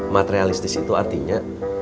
materialistis itu artinya